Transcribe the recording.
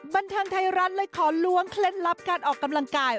บันเทิงไทยรัฐเลยขอล้วงเคล็ดลับการออกกำลังกาย